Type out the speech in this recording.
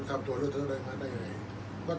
อันไหนที่มันไม่จริงแล้วอาจารย์อยากพูด